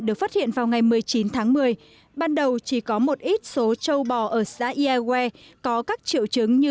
được phát hiện vào ngày một mươi chín tháng một mươi ban đầu chỉ có một ít số châu bò ở xã iae có các triệu chứng như